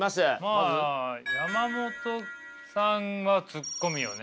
まあ山本さんはツッコミよね。